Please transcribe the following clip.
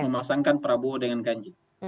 memasangkan prabowo dengan ganjar